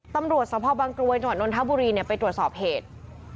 ตำรวจสพบังกรวยจังหวัดนทบุรีไปตรวจสอบเหตุ